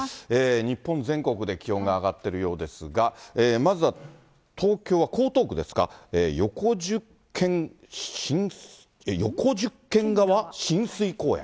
日本全国で気温が上がってるようですが、まずは東京は江東区ですか、横十間川親水公園。